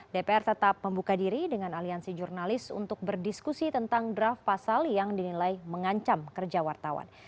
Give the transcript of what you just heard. dpr tetap membuka diri dengan aliansi jurnalis untuk berdiskusi tentang draft pasal yang dinilai mengancam kerja wartawan